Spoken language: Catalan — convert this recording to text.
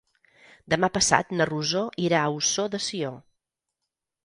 Demà passat na Rosó irà a Ossó de Sió.